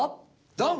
ドン！